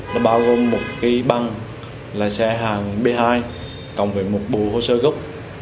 nó bao gồm một cái băng là xe hàng b hai cộng với một bộ hồ sơ gốc